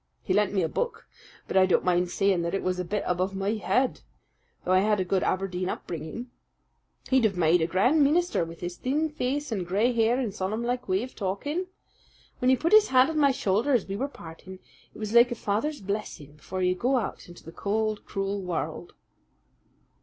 He lent me a book; but I don't mind saying that it was a bit above my head, though I had a good Aberdeen upbringing. He'd have made a grand meenister with his thin face and gray hair and solemn like way of talking. When he put his hand on my shoulder as we were parting, it was like a father's blessing before you go out into the cold, cruel world."